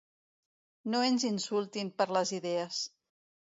No ens insultin per les idees.